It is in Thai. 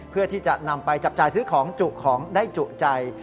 เพื่อที่จะนำไปจับจ่ายซื้อของจุของได้จุใจ